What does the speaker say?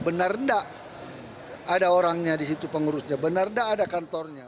benar enggak ada orangnya di situ pengurusnya benar tidak ada kantornya